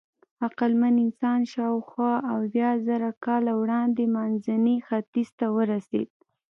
عقلمن انسان شاوخوا اویازره کاله وړاندې منځني ختیځ ته ورسېد.